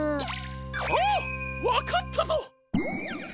あっわかったぞ！